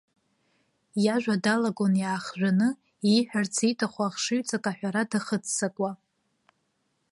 Иажәа далагон иаахжәаны, ииҳәарц ииҭаху ахшыҩҵак аҳәара дахыццакуа.